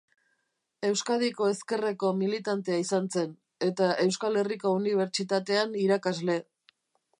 Euskadiko Ezkerreko militantea izan zen, eta Euskal Herriko Unibertsitatean irakasle.